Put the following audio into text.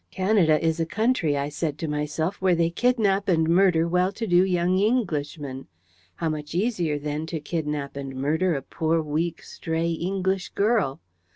Canada is a country, I said to myself, where they kidnap and murder well to do young Englishmen. How much easier, then, to kidnap and murder a poor weak stray English girl!